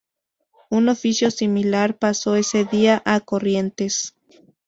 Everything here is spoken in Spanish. Un oficio similar pasó ese día a Corrientes.